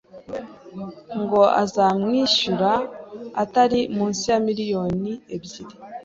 ngo azamwishyura atari munsi ya miliyoni ebyiri